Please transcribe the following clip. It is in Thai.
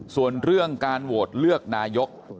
ส่วนเรื่องการโหวตเลือกนายก